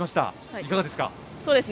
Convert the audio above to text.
いかがですか？